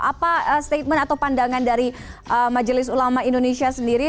apa statement atau pandangan dari majelis ulama indonesia sendiri